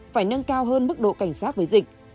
phải nâng cao hơn mức độ cảnh sát với dịch